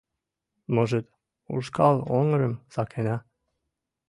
— Можыт, ушкал оҥгырым сакена?